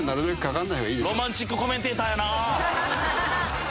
ロマンチックコメンテーターやなぁ。